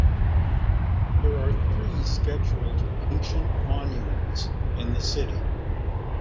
There are three Scheduled Ancient Monuments in the city.